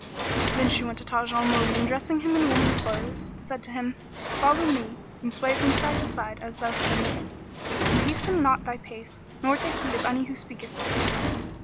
Then she went to Taj al Muluk and dressing him in woman's clothes, said to him, "Follow me and sway from side to side[FN#44] as thou steppest, and hasten not thy pace nor take heed of any who speaketh to thee."